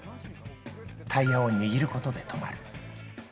タイヤを握ることで止まる。